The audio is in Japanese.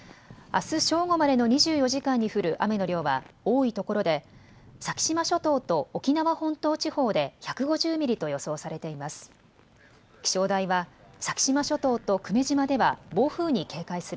あす正午までの２４時間に降る雨の量は多いところで先島諸島と沖縄本島地方で１５０ミリと予想されています。